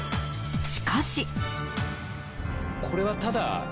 しかし。